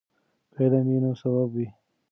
که علم وي نو ثواب وي.